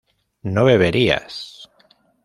¿no beberías?